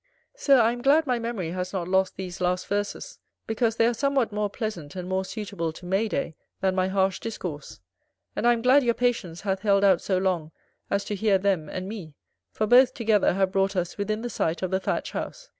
Sir, I am glad my memory has not lost these last verses, because they are somewhat more pleasant and more suitable to May day than my harsh discourse. And I am glad your patience hath held out so long as to hear them and me, for both together have brought us within the sight of the Thatched House.